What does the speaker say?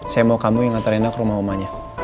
saya mau kamu yang nganter rena ke rumah omanya